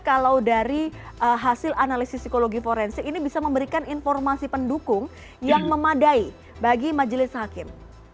kalau dari hasil analisis psikologi forensik ini bisa memberikan informasi pendukung yang memadai bagi majelis hakim